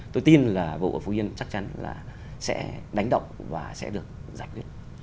tôi tin là bộ ở phú yên chắc chắn là sẽ đánh động và sẽ được giải quyết